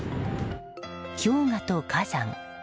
氷河と火山。